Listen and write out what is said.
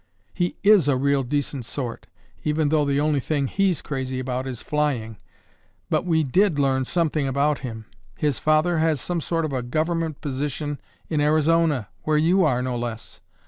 He is a real decent sort, even though the only thing he's crazy about is flying, but we did learn something about him. His father has some sort of a government position in Arizona, where you are, no less.